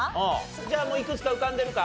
じゃあもういくつか浮かんでるか？